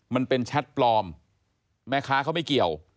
มันเป็นแชทปลอมแม่ค้าเขาไม่เกี่ยว